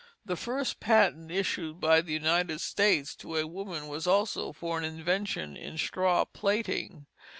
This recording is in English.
The first patent issued by the United States to a woman was also for an invention in straw plaiting.